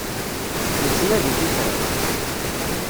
Nettnadi tifrat.